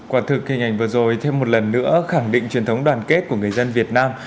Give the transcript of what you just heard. quả thực hình ảnh vừa rồi thêm một lần nữa khẳng định truyền thống đoàn kết của người dân việt nam